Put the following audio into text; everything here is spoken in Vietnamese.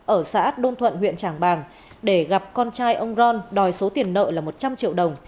ở xã đôn thuận huyện trảng bàng để gặp con trai ông ron đòi số tiền nợ là một trăm linh triệu đồng